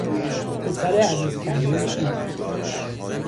پسر عزیز کردهی او